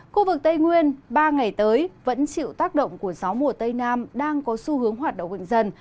khu vực tây nguyên ba ngày tới vẫn chịu tác động của gió mùa tây nam đang có xu hướng hoạt động mạnh dần